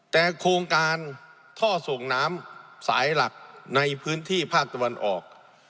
แต่โครงการท่อส่งน้ำสายหลักในพื้นที่ภาคตะวันออก